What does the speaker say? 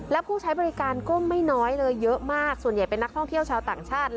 และผู้ใช้บริการก็ไม่น้อยเลยเยอะมากส่วนใหญ่เป็นนักท่องเที่ยวชาวต่างชาติ